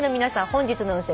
本日の運勢